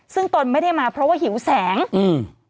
ซึ่งตนไม่ได้มาเพราะว่าหิวแสงอืม